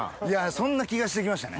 そんな気がして来ましたね。